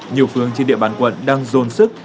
nhiều phường trên địa bàn quận đang dồn sức